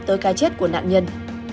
tới cái chết của nạn nhân